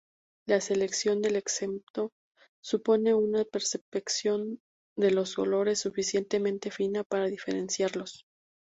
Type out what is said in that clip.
La selección del excremento supone una percepción de los olores suficientemente fina para diferenciarlos.